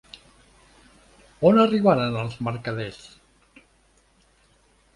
On arribaren els mercaders?